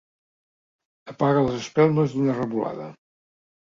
Apaga les espelmes d'una revolada.